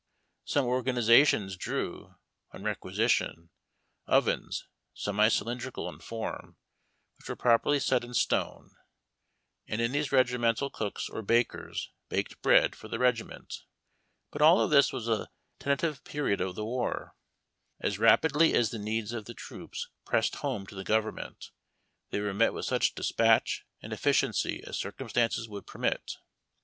Some organizations drew, on requisition, ovens, semi cylindrical in form, which were properly set in stone, and in these regimen tal cooks or bakers baked bread for the regiment. But all of this was in the tenta tive period of the war. As rapidly as the needs of the troops pressed home to the government, they were met with such despatch and ethciencj^ as circumstances would permit.